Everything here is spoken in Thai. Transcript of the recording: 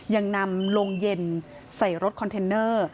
ยังนำโรงเย็นใส่รถคอนเทนเนอร์